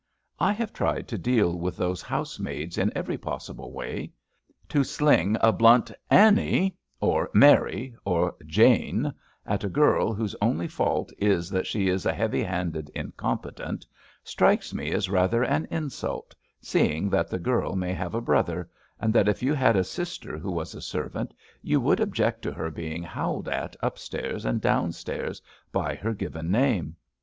I have tried to deal with those housemaids in every possible way. To sling a blunt Annie '* or Mary '' or Jane " at a girl whose only fault is that she is a heavy handed incompetent, strikes me as rather an insult, seeing that the girl may have a brother, and that if you had a sister who was a servant you would object to her being howled at upstairs and downstairs by her given name.